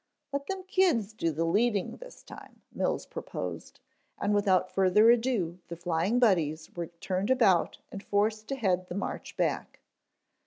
"Let them kids do the leadin' this time," Mills proposed, and without further ado the Flying Buddies were turned about and forced to head the march back.